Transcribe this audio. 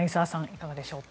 いかがでしょう？